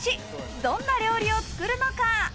どんな料理を作るのか。